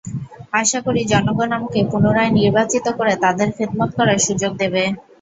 আশা করি জনগণ আমাকে পুনরায় নির্বাচিত করে তাদের খেদমত করার সুযোগ দেবে।